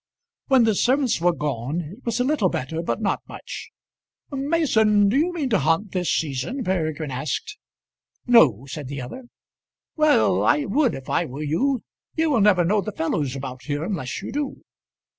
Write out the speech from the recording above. When the servants were gone it was a little better, but not much. "Mason, do you mean to hunt this season?" Peregrine asked. "No," said the other. "Well, I would if I were you. You will never know the fellows about here unless you do."